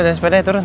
jangan sepeda turun